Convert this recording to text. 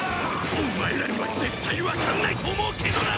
お前らには絶対わかんないと思うけどな！